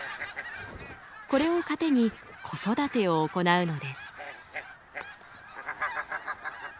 これを糧に子育てを行うのです。